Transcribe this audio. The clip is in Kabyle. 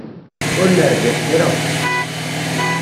Ur nerbiḥ kra.